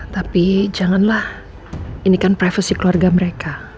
tapi janganlah ini kan privasi keluarga mereka